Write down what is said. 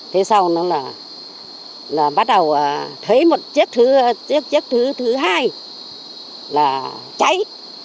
thế xong nó là bắt đầu thấy một chiếc thứ hai là cháy